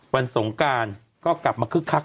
สงการก็กลับมาคึกคัก